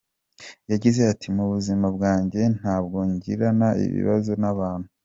Yagize ati “Mu buzima bwanjye ntabwo ngirana ibibazo n’abantu.